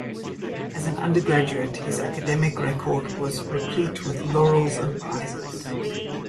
As an undergraduate, his academic record was replete with laurels and prizes.